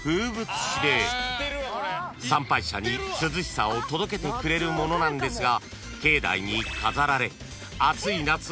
［参拝者に涼しさを届けてくれるものなんですが］